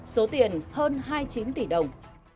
số tiền hơn hai mươi chín tỷ đồng